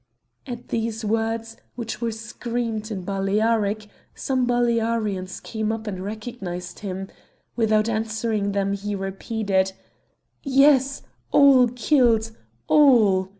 At these words, which were screamed in Balearic, some Balearians came up and recognised him; without answering them he repeated: "Yes, all killed, all!